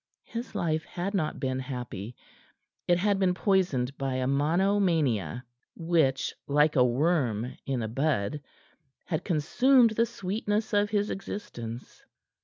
His life had not been happy; it had been poisoned by a monomania, which, like a worm in the bud, had consumed the sweetness of his existence.